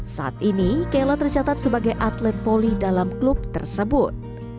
saat ini kela tercatat sebagai atlet voli dalam klub tersebut